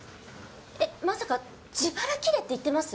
えっまさか自腹切れって言ってます？